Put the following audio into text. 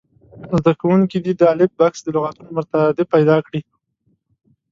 زده کوونکي دې د الف بکس د لغتونو مترادف پیدا کړي.